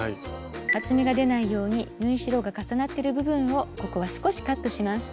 厚みが出ないように縫い代が重なってる部分をここは少しカットします。